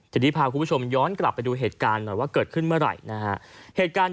ทีนี้พาคุณผู้ชมย้อนกลับไปดูเหตุการณ์หน่อยว่าเกิดขึ้นเมื่อไหร่นะฮะ